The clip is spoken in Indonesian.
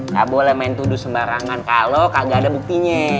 gak boleh main tuduh sembarangan kalo kagak ada buktinya